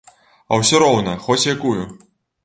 А ўсё роўна, хоць якую!